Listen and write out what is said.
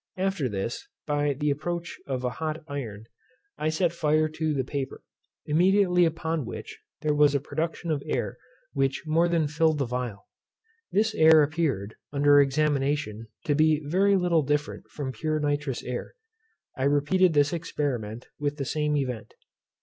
After this, by the approach of hot iron, I set fire to the paper; immediately upon which there was a production of air which more than filled the phial. This air appeared, upon examination, to be very little different from pure nitrous air. I repeated this experiment with the same event.